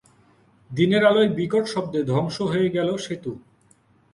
দিনের আলোয় বিকট শব্দে ধ্বংস হয়ে গেল সেতু।